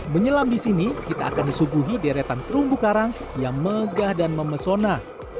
menyelam di sini kita akan disuguhi deretan terumbu karang yang megah dan memesona